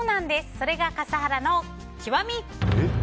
それが笠原の極み。